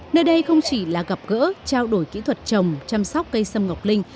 nơi đây không chỉ là gặp gỡ trao đổi kỹ thuật trồng chăm sóc cây sâm ngọc linh